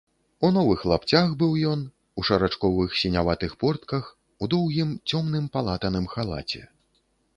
У новых лапцях быў ён, у шарачковых сіняватых портках, у доўгім, цёмным, палатаным халаце.